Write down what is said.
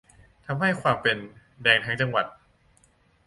ทำให้ความเป็น "แดงทั้งจังหวัด"